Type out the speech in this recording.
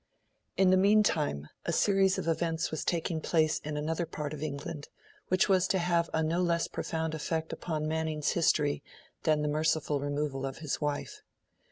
II IN the meantime, a series of events was taking place in another part of England, which was to have a no less profound effect upon Manning's history than the merciful removal of his wife.